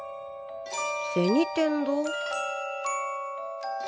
銭天堂？